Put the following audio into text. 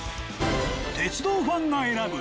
鉄道ファンが選ぶ